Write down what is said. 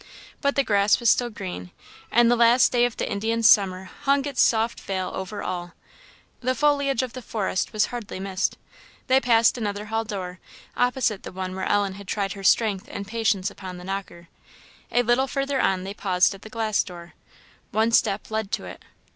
But the grass was still green, and the last day of the Indian summer hung its soft veil over all; the foliage of the forest was hardly missed. They passed another hall door, opposite the one where Ellen had tried her strength and patience upon the knocker; a little further on they paused at the glass door. One step led to it.